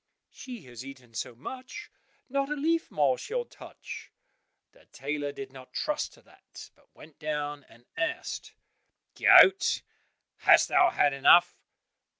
"She has eaten so much, not a leaf more she'll touch." The tailor did not trust to that, but went down and asked, "Goat, hast thou had enough?"